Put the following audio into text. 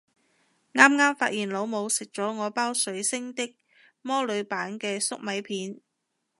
啱啱發現老母食咗我包水星的魔女版嘅粟米片